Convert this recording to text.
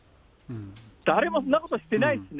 誰もそんなことしてないですね。